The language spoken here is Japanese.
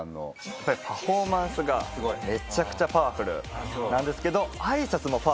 やっぱりパフォーマンスがめちゃくちゃパワフルなんですけど。